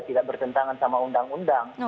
tidak bertentangan sama undang undang